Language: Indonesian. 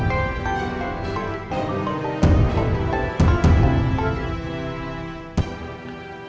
kalo papa udah sampe rumah